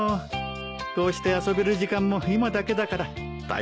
こうして遊べる時間も今だけだから大切にしないとね。